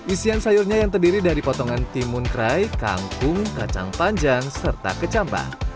isian sayurnya yang terdiri dari potongan timun kerai kangkung kacang panjang serta kecamba